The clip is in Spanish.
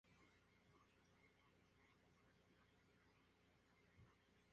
Su obra se halla bajo la influencia del surrealismo y el dadaísmo.